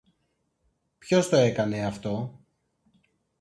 Ποιος τόκανε αυτό;